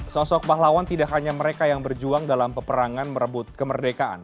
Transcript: sosok pahlawan tidak hanya mereka yang berjuang dalam peperangan merebut kemerdekaan